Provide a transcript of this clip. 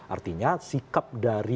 artinya sikap dari amin rais